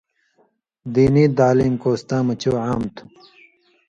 دینی تعلیم کوستاں مہ چو عام تُھو